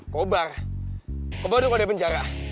kobar kobar udah keadaan penjara